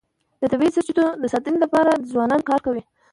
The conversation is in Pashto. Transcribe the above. د طبیعي سرچینو د ساتنې لپاره ځوانان کار کوي.